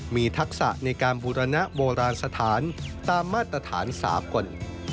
มีทักษะในการบูรณะโบราณสถานตามมาตรฐานสากล